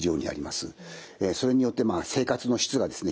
それによって生活の質がですね